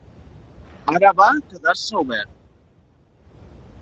Ara va quedar-se obert!